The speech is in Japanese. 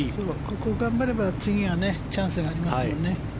ここを頑張れば次がチャンスがありますよね。